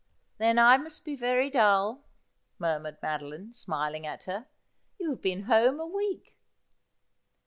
' Then I must be very dull,' murmured Madoline, smiling at her. ' You have been home a week.'